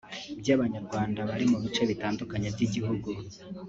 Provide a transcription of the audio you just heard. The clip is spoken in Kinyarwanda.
by’Abanyarwanda bari mu bice bitandukanye by’igihugu